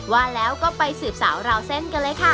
ว่าแล้วก็ไปสืบสาวราวเส้นกันเลยค่ะ